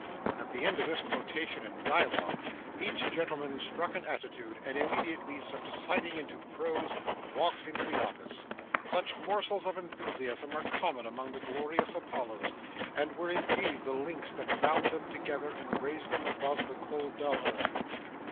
At the end of this quotation in dialogue, each gentleman struck an attitude, and immediately subsiding into prose walked into the office. Such morsels of enthusiasm are common among the Glorious Apollos, and were indeed the links that bound them together, and raised them above the cold dull earth.